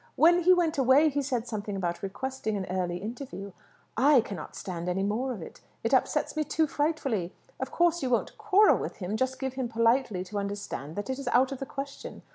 "When he went away he said something about requesting an early interview. I cannot stand any more of it. It upsets me too frightfully. Of course, you won't quarrel with him. Just give him politely to understand that it is out of the question.